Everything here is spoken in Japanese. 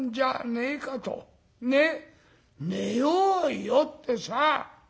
『寝ようよ』ってさ。